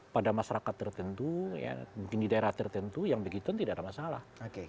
pada masyarakat tertentu mungkin di daerah tertentu yang begitu tidak ada masalah